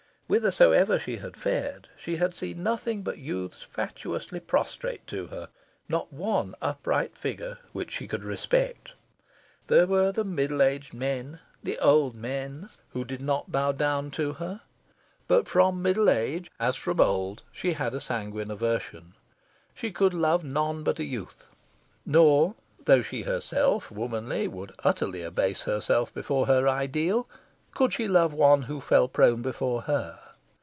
Whithersoever she had fared, she had seen nothing but youths fatuously prostrate to her not one upright figure which she could respect. There were the middle aged men, the old men, who did not bow down to her; but from middle age, as from eld, she had a sanguine aversion. She could love none but a youth. Nor though she herself, womanly, would utterly abase herself before her ideal could she love one who fell prone before her.